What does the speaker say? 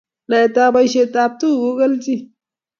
Naet ab boishet ab tuguk kokelchin